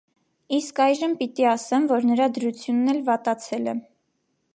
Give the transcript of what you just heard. Իսկ այժմ պիտի ասեմ, որ նրա դրությունն էլ վատացել է: